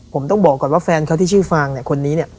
ผมต้องบอกก่อนว่าแฟนเขาที่ชื่อฟางเนี่ยคนนี้เนี่ย